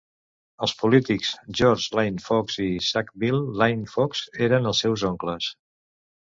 Els polítics George Lane-Fox i Sackville Lane-Fox eren els seus oncles.